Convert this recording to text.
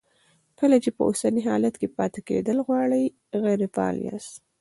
کله چې په اوسني حالت کې پاتې کېدل غواړئ غیر فعال یاست.